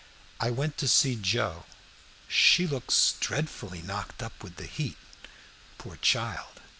"I went to see Joe. She looks dreadfully knocked up with the heat, poor child."